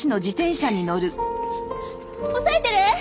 押さえてる？